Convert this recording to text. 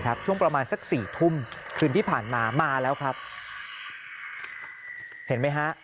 ช่วงประมาณสักสี่ทุ่มคืนที่ผ่านมามาแล้วครับเห็นไหมฮะ